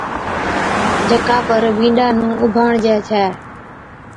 جڪا پر بِينڏا نُون اُڀاڻجي ڇَي